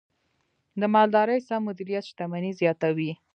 د مالدارۍ سم مدیریت شتمني زیاتوي.